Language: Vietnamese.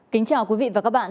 kính chào quý vị và các bạn